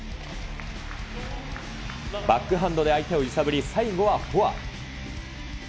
バックハンドで相手を揺さぶり、最後はフォア。